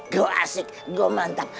gue asik gue mantap